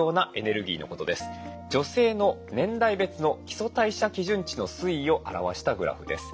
女性の年代別の基礎代謝基準値の推移を表したグラフです。